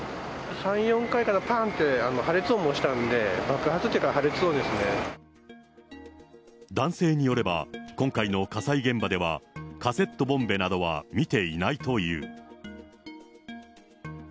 ３、４回かな、ぱんって破裂音もしたんで、爆発っていうか破裂音男性によれば、今回の火災現場ではカセットボンベなどは見ていないという。